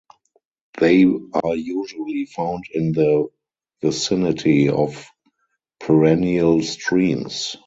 They are usually found in the vicinity of perennial streams.